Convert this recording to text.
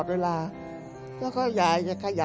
ทำงานชื่อนางหยาดฝนภูมิสุขอายุ๕๔ปี